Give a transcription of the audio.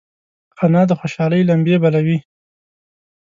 انا د خوشحالۍ لمبې بلوي